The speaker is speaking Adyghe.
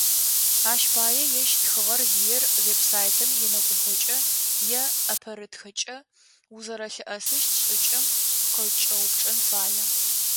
Ащ пае ежь тхыгъэр зиер веб-сайтым инэкӏубгъокӏэ, е ӏэпэрытхкӏэ узэрэлъыӏэсыщт шӏыкӏэм къыкӏэупчӏэн фае.